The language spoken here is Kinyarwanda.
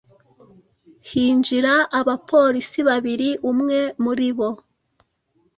hinjira abaporisi babiri umwe muri bo